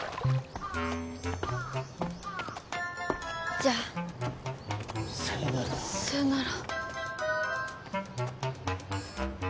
じゃあさようならさよなら